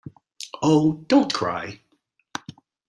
Oh, don't cry!